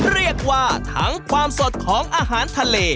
เรียกว่าทั้งความสดของอาหารทะเล